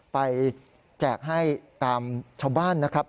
แจกให้ตามชาวบ้านนะครับ